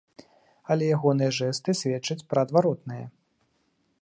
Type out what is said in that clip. Але ягоныя жэсты сведчаць пра адваротнае.